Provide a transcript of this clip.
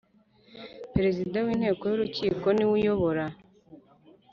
Perezida w inteko y urukiko ni we uyobora